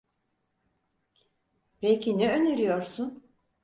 Peki ne öneriyorsun?